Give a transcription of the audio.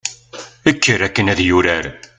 kker akken ad yurar